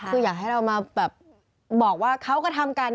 คืออยากให้เรามาแบบบอกว่าเขาก็ทำกัน